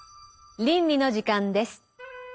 倫理の時間です。